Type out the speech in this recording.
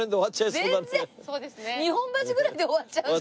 全然日本橋ぐらいで終わっちゃうんじゃない？